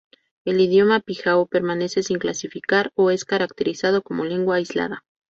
El idioma pijao permanece sin clasificar o es caracterizado como lengua aislada.